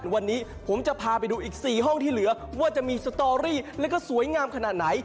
วันนี้ผมจะพาไปดูอีก๔ห้องที่เหลือว่าจะมีสตอรี่แล้วก็สวยงามขนาดไหน